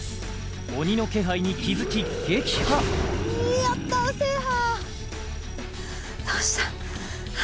鬼の気配に気づき撃破やった制覇！